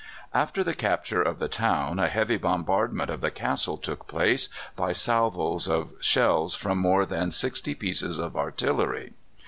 After the capture of the town a heavy bombardment of the castle took place, by salvos of shells from more than sixty pieces of artillery.